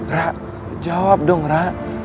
ra jawab dong ra